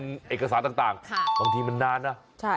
เป็นเอกสารต่างบางทีมันนานนะ